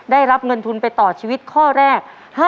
ได้รับเงินทุนไปต่อชีวิตข้อแรก